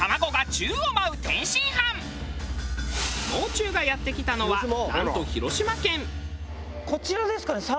もう中がやって来たのはなんと広島県。